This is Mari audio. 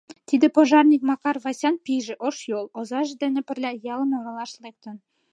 Тиде пожарник Макар Васян пийже, Ошйол, озаже дене пырля ялым оролаш лектын.